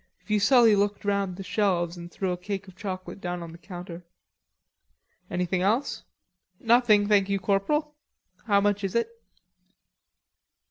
Fuselli looked round the shelves and threw a cake of chocolate down on the counter. "Anything else?" "Nothing, thank you, corporal. How much is it?"